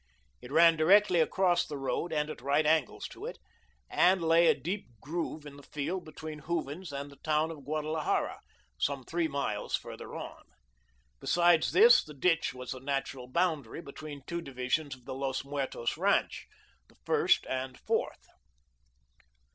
It ran directly across the road and at right angles to it, and lay a deep groove in the field between Hooven's and the town of Guadalajara, some three miles farther on. Besides this, the ditch was a natural boundary between two divisions of the Los Muertos ranch, the first and fourth.